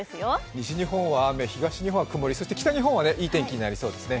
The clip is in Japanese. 西日本は雨、東日本は曇り、そして、北日本はいい天気になりそうですね。